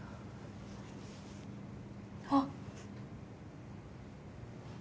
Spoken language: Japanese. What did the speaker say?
あっ。